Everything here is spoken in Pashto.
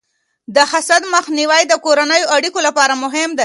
د حسد مخنیوی د کورنیو اړیکو لپاره مهم دی.